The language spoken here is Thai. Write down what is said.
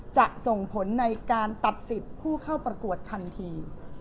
จะส่งผลในการตัดสิทธิ์ผู้เข้าประกวดทันที